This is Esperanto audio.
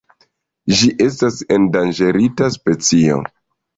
Ĝi estas endanĝerita specio.